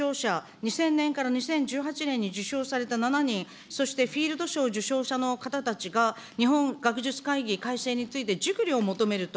２０００年から２０１８年に受賞された７人、そしてフィールド賞受賞者の方たちが、日本学術会議改正について熟慮を求めると。